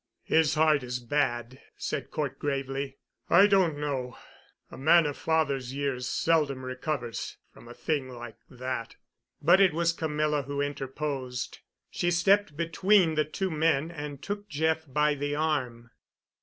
"His heart is bad," said Cort gravely. "I don't know—a man of father's years seldom recovers from a thing like that——" But it was Camilla who interposed. She stepped between the two men and took Jeff Ly the arm.